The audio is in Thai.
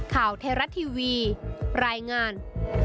เทราะทีวีรายงาน